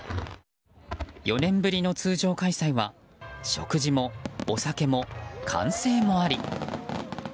４年ぶりの通常開催は食事も、お酒も、歓声もあり。